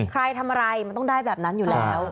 ใครทำอะไรมันต้องได้แบบนั้นอยู่แล้ว